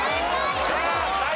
正解！